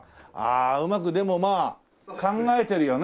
うまくでもまあ考えてるよね